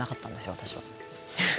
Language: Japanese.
私は。